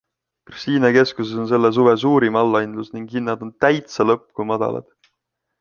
Kristiine keskuses on selle suve suurim allahindlus ning hinnad on TÄITSA LÕPP kui madalad.